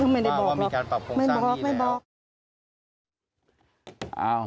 ไม่ได้บอกไม่บอก